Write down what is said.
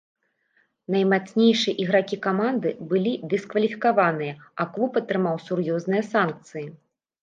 Наймацнейшыя ігракі каманды былі дыскваліфікаваныя, а клуб атрымаў сур'ёзныя санкцыі.